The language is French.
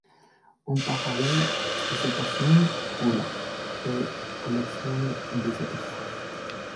En parallèle, il se passionne pour l'art, et collectionne des autographes.